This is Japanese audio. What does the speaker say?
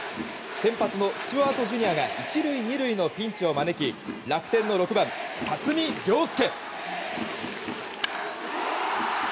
先発のスチュワート・ジュニアが１塁２塁のピンチを招き楽天の６番、辰己涼介。